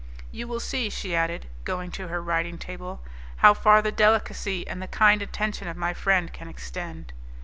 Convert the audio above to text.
"You will see," she added, going to her writing table, "how far the delicacy and the kind attention of my friend can extend."